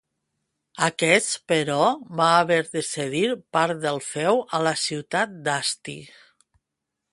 Aquests, però, va haver de cedir part del feu a la ciutat d'Asti.